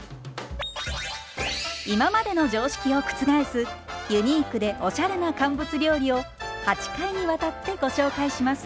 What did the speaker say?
今までの常識を覆すユニークでおしゃれな乾物料理を８回にわたってご紹介します。